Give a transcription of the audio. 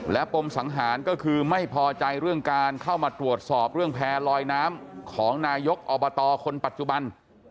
และปมสังหารก็คือไม่พอใจเรื่องการเข้ามาตรวจสอบเรื่องแพร่ลอยน้ำของนายกอบตคนปัจจุบัน